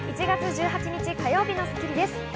１月１８日、火曜日の『スッキリ』です。